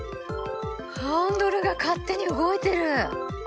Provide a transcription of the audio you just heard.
ハンドルが勝手に動いてる！